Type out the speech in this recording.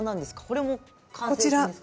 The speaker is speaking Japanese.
これも完成品ですか？